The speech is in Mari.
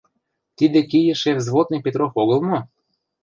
Тиде кийыше взводный Петров огыл мо?